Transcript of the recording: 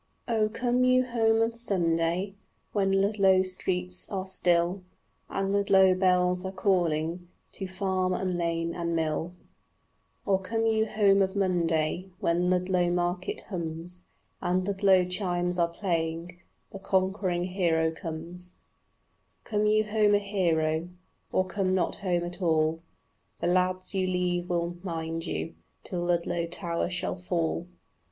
Oh, come you home of Sunday When Ludlow streets are still And Ludlow bells are calling To farm and lane and mill, Or come you home of Monday When Ludlow market hums And Ludlow chimes are playing "The conquering hero comes," Come you home a hero, Or come not home at all, The lads you leave will mind you Till Ludlow tower shall fall.